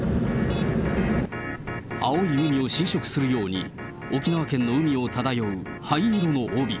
青い海を侵食するように、沖縄県の海を漂う灰色の帯。